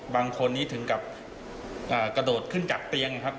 บางคนนี้ถึงกับกระโดดขึ้นจากเตียงนะครับ